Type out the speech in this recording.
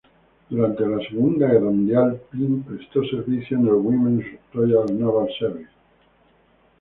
Durante la Segunda Guerra Mundial, Pym prestó servicio en el Women's Royal Naval Service.